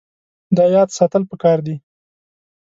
دا یاد ساتل پکار دي.